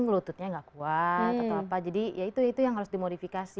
lututnya nggak kuat atau apa jadi ya itu yang harus dimodifikasi